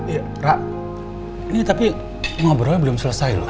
ya rara ini tapi ngaburannya belum selesai loh